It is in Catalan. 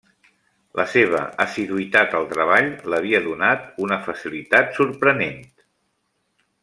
La seva assiduïtat al treball l'havia donat una facilitat sorprenent.